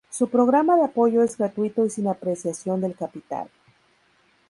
Su programa de apoyo es gratuito y sin apreciación del capital.